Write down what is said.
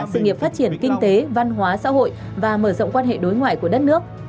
sự nghiệp phát triển kinh tế văn hóa xã hội và mở rộng quan hệ đối ngoại của đất nước